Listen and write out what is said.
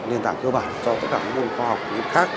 liên tạng cơ bản cho tất cả môn khoa học khác